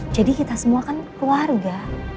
jadi kita semua kan keluarga